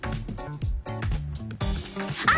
あ！